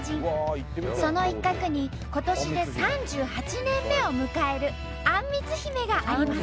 その一角に今年で３８年目を迎えるあんみつ姫があります。